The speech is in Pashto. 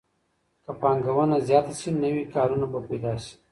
که پانګونه زیاته سي نوي کارونه به پیدا سي.